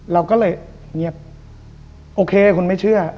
เราก็เลยเงียบโอเคคุณไม่เชื่อ